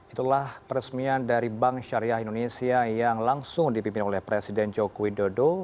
itulah peresmian dari bank syariah indonesia yang langsung dipimpin oleh presiden joko widodo